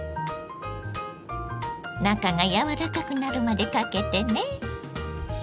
中がやわらかくなるまでかけてね。